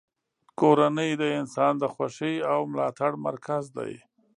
کورنۍ د انسان د خوښۍ او ملاتړ مرکز دی.